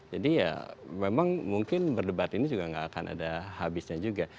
jadi ya memang mungkin berdebat ini juga nggak akan ada habisnya juga